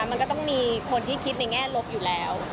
มันก็ต้องมีคนที่คิดในแง่ลบอยู่แล้ว